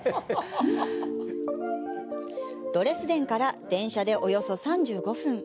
ドレスデンから電車でおよそ３５分。